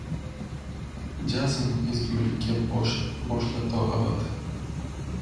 Jazm, ezgulikka boshla to abad